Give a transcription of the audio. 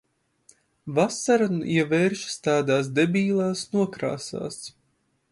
Vasara ievēršas tādās debilās nokrāsās.